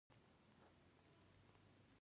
د پکتیا په احمد اباد کې د سمنټو مواد شته.